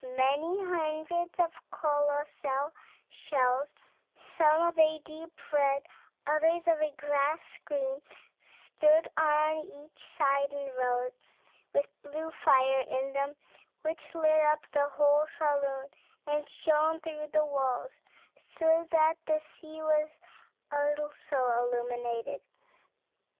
May hundreds of colossal shells, some of a deep red, others of a grass green, stood on each side in rows, with blue fire in them, which lighted up the whole saloon, and shone through the walls, so that the sea was also illuminated.